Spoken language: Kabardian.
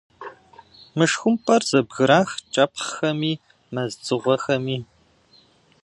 Мышхумпӏэр зэбгырах кӏэпхъхэми, мэз дзыгъуэхэми.